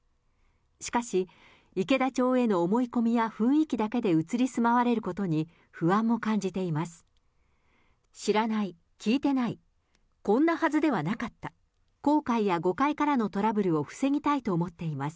しかし、池田町への思い込みや雰囲気だけで移り住まわれることに、不安も感じています。